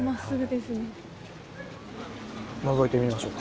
のぞいてみましょうか。